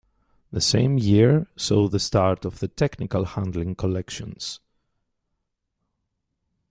That same year saw the start of the technical handling collections.